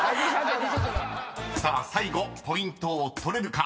［さあ最後ポイントを取れるか］